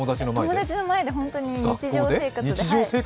友達の前で日常生活で。